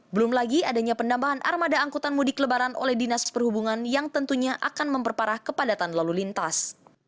belum lagi adanya penambahan armada angkutan mudik lebaran oleh dinas perhubungan yang tentunya akan memperparah kepadatan lalu lintas